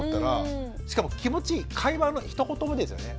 しかも気持ちいい会話のひと言目ですよね。